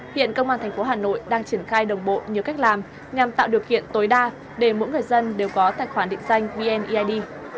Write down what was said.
hiện công an thành phố hà nội đang triển khai đồng bộ nhiều cách làm nhằm tạo điều kiện tối đa để mỗi người dân đều có tài khoản định danh vneid